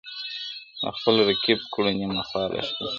د خپل رقیب کړو نیمه خوا لښکري؛